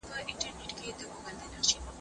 انسان د بدلون راوستلو توان له لاسه ورکوي.